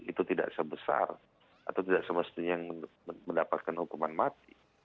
itu tidak sebesar atau tidak semestinya yang mendapatkan hukuman mati